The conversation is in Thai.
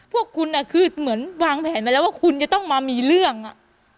พวกคุณคือเหมือนวางแผนไว้แล้วว่าคุณจะต้องมามีเรื่องอ่ะ